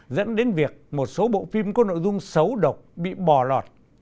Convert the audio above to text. dẫn đến việc một số bộ phim có nội dung xấu độc bị bò lọt